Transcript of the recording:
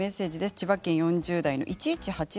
千葉県４０代の方。